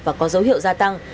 và có dấu hiệu gia tăng